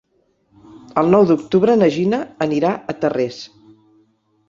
El nou d'octubre na Gina anirà a Tarrés.